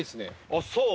あっそう？